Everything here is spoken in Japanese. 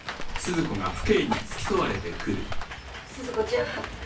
鈴子ちゃん。